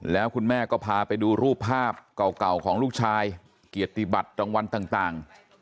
แล้วคุณแม่ก็พาไปดูรูปภาพเก่าของลูกชายเกียรติบัตรรางวัลต่าง